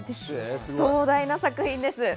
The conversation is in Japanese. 壮大な作品です。